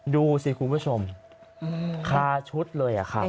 ดูสิคุณผู้ชมคาชุดเลยครับ